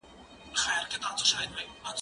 که وخت وي، ليکلي پاڼي ترتيب کوم،